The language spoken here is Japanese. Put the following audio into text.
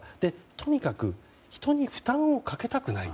とにかく人に負担をかけたくない。